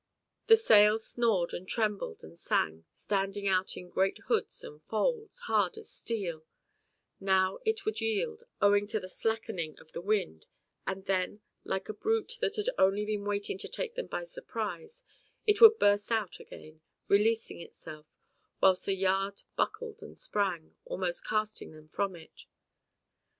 The sail snored and trembled and sang, standing out in great hoods and folds, hard as steel; now it would yield, owing to a slackening of the wind, and then, like a brute that had only been waiting to take them by surprise, it would burst out again, releasing itself, whilst the yard buckled and sprang, almost casting them from it.